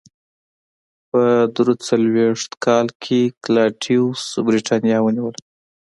په درې څلوېښت کال کې کلاډیوس برېټانیا ونیوله.